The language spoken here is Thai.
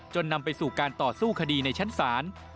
นำไปสู่การต่อสู้คดีในชั้นศาล